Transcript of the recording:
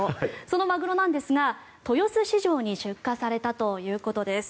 そのマグロなんですが豊洲市場に出荷されたということです。